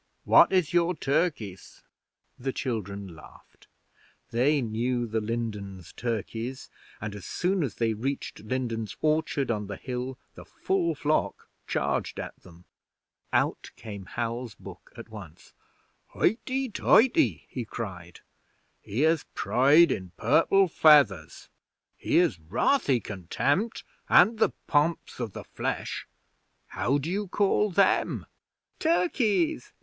What is your Turkis?' The children laughed. They knew the Lindens turkeys, and as soon as they reached Lindens orchard on the hill the full flock charged at them. Out came Hal's book at once. 'Hoity toity!' he cried. 'Here's Pride in purple feathers! Here's wrathy contempt and the Pomps of the Flesh! How d'you call them?' 'Turkeys!